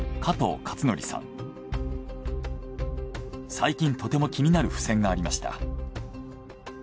最近とても気になる付箋がありました。